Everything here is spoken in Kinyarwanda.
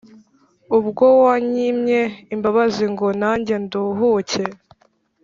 Ubwo wanyimye imbabaziNgo nanjye nduhuke